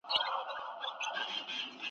په هوا به دي تر بله ډنډه یوسو .